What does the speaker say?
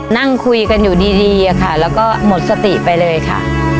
นั่งคุยกันอยู่ดีค่ะแล้วก็หมดสติไปเลยค่ะ